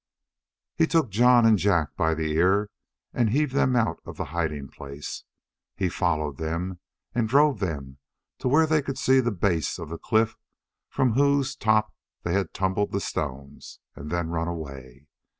He took Jon and Jak by the ear and heaved them out of the hiding place. He followed them, and then drove them to where they could see the base of the cliff from whose top they had tumbled stones and then run away.